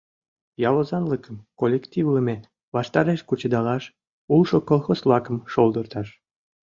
ялозанлыкым коллективлыме ваштареш кучедалаш, улшо колхоз-влакым шолдырташ;